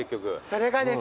それがですね